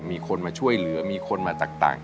มีคนมาช่วยเหลือมีคนมาต่าง